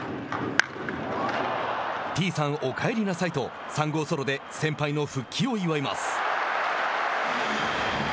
Ｔさんお帰りなさいと３号ソロで先輩の復帰を祝います。